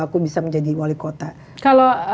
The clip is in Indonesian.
aku bisa menjadi wali kota kalau